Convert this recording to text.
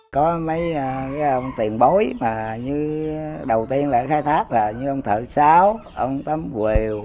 có mấy ông tiền bối mà đầu tiên khai phát là ông thợ sáu ông tấm quều